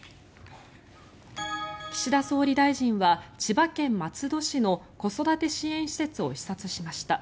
岸田総理大臣は千葉県松戸市の子育て支援施設を視察しました。